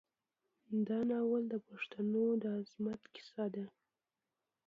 دا ناول د پښتنو د عظمت کیسه ده.